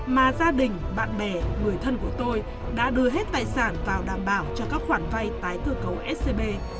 mà gia đình bạn bè người thân của tôi đã đưa hết tài sản vào đảm bảo cho các khoản vay tái cơ cấu scb